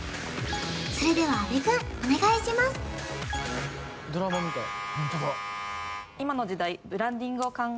それでは阿部くんお願いしますそうですね